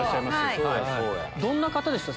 どんな方でした？